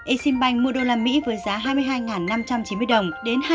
eximbank mua đô la mỹ với giá hai mươi hai năm trăm chín mươi đồng